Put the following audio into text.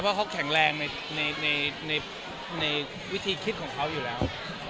ว่าเขาแข็งแรงในวิธีคิดของเขาอยู่แล้ว